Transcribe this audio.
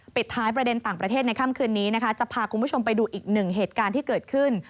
ปิดท้ายประเด็นต่างประเทศในค่ำคืนนี้นะคะจะพาคุณผู้ชมไปดูอีกหนึ่งเหตุการณ์ที่เกิดขึ้น